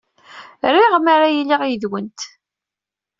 Riɣ mi ara iliɣ yid-went.